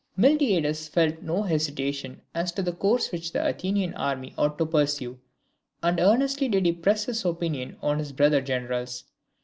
Miltiades felt no hesitation as to the course which the Athenian army ought to pursue: and earnestly did he press his opinion on his brother generals.